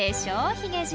ヒゲじい。